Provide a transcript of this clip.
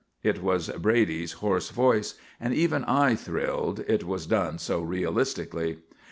_" It was Brady's hoarse voice; and even I thrilled, it was done so realistically.